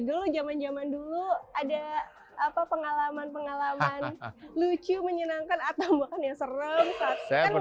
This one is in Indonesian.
dulu jaman jaman dulu ada apa pengalaman pengalaman lucu menyenangkan atau bukan yang serem saat saat ini kan